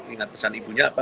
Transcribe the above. ingat pesan ibunya apa